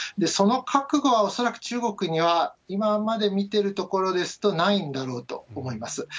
その覚悟は、恐らく中国には今まで見てるところですとないんだろうと思います。